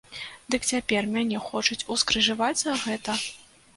Дык цяпер мяне хочуць ускрыжаваць за гэта?